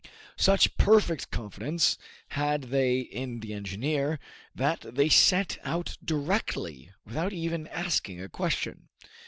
Such perfect confidence had they in the engineer, that they set out directly, without even asking a question.